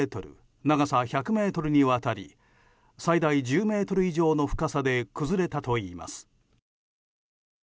長さ１００ｍにわたり最大１０ｍ以上の深さで崩れたといいます。